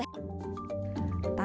tantangan juga diberikan